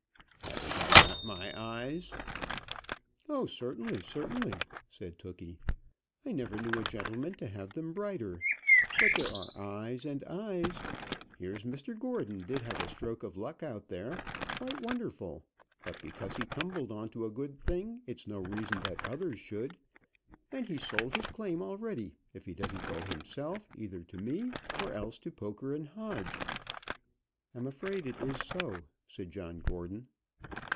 "Haven't I got my eyes?" "Oh certainly, certainly," said Tookey; "I never knew a gentleman have them brighter. But there are eyes and eyes. Here's Mr Gordon did have a stroke of luck out there; quite wonderful! But because he tumbled on to a good thing, it's no reason that others should. And he's sold his claim already, if he doesn't go himself, either to me, or else to Poker & Hodge." "I'm afraid it is so," said John Gordon.